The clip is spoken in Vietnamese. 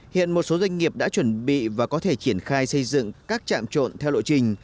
hiện một số doanh nghiệp đã chuẩn bị và có thể triển khai xây dựng các trạm trộn theo lộ trình